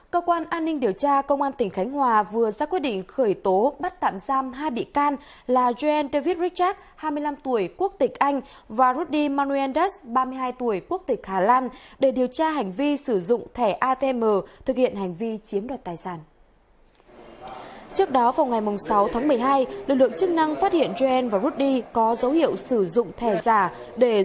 các bạn hãy đăng ký kênh để ủng hộ kênh của chúng mình nhé